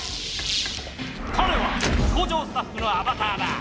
かれは工場スタッフのアバターだ。